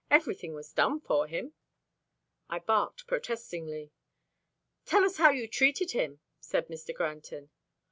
"Everything was done for him." I barked protestingly. "Tell us how you treated him," said Mr. Granton.